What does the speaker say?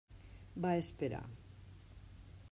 Va esperar.